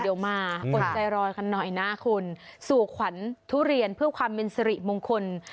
เดี๋ยวมาอดใจรอกันหน่อยนะคุณสู่ขวัญทุเรียนเพื่อความเป็นสิริมงคล